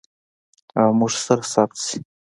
او موږ سره ثبت شي.